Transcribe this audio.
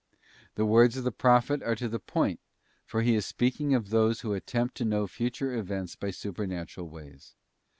The words of the Prophet are to the point, for he is speaking of those who attempted to know future events by supernatural ways.